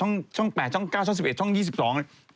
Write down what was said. ไม่ใช่คือช่อง๘ช่อง๙ช่อง๑๑ช่อง๒๒